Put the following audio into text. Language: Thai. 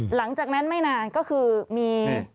หลังจากนั้นไม่นานก็คือมี